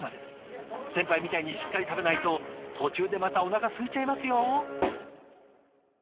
先輩みたいにしっかり食べないと途中でまたおなかすいちゃいますよ。